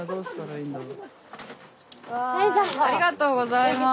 わいありがとうございます。